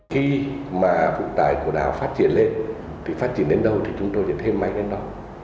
khi mà vụ tải của đảo phát triển lên thì phát triển đến đâu thì chúng tôi sẽ thêm máy lên đó